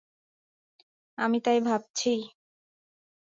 আমি তাই ভাবছি।